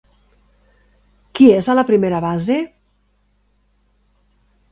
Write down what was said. "Qui és a la primera base?"